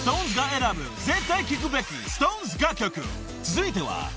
続いては］